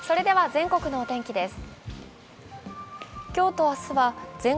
全国のお天気です。